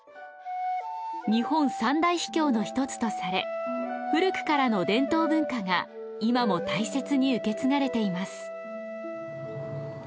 日本三大秘境の一つとされ古くからの伝統文化が今も大切に受け継がれています。